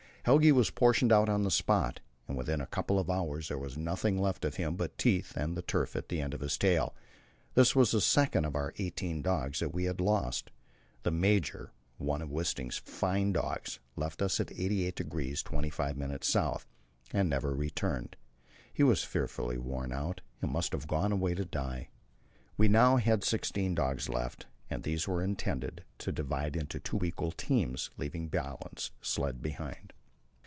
Helge was portioned out on the spot, and within a couple of hours there was nothing left of him but his teeth and the tuft at the end of his tail. This was the second of our eighteen dogs that we had lost. The Major, one of Wisting's fine dogs, left us in 88)deg) 25' S., and never returned. He was fearfully worn out, and must have gone away to die. We now had sixteen dogs left, and these we intended to divide into two equal teams, leaving Bjaaland's sledge behind.